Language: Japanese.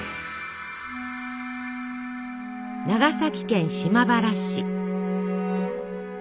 長崎県島原市。